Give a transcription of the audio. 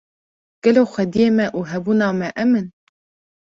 Gelo xwedyê me û hebûna me em in